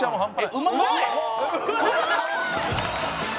うまい！